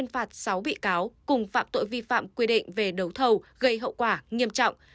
phạt sáu bị cáo cùng phạm tội vi phạm quy định về đấu thầu gây hậu quả nghiêm trọng